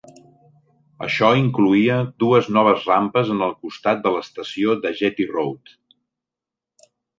Això incloïa dues noves rampes en el costat de l'estació de Jetty Road.